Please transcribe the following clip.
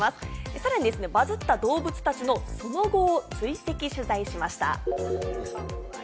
さらにバズった動物たちの、その後を追跡取材しました。